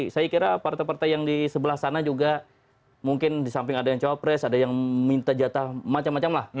saya kira partai partai yang di sebelah sana juga mungkin di samping ada yang cawapres ada yang minta jatah macam macam lah